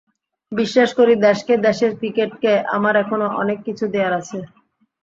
বিশ্বাস করি দেশকে, দেশের ক্রিকেটকে আমার এখনো অনেক কিছু দেয়ার আছে।